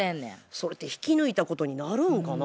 それって引き抜いたことになるのかな？